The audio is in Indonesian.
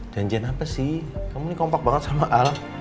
janjian apa sih kamu ini kompak banget sama al